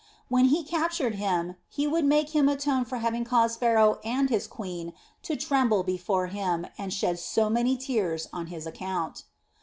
When he captured him he would make him atone for having caused Pharaoh and his queen to tremble before him and shed so many tears on his account.